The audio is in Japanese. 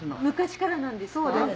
昔からなんですか？